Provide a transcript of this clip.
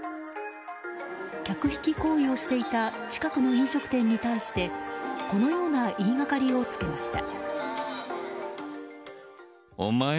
客引き行為をしていた近くの飲食店に対してこのような言いがかりをつけました。